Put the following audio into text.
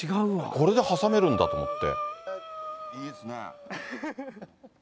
これで挟めるんだと思って。